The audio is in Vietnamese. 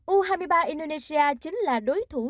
u hai mươi ba indonesia chính là đối thủ